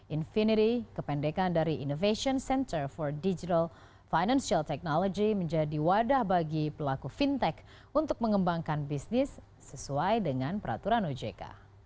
infinity kependekan dari innovation center for digital financial technology menjadi wadah bagi pelaku fintech untuk mengembangkan bisnis sesuai dengan peraturan ojk